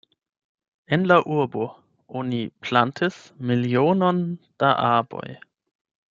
En la urbo oni plantis milionon da arboj.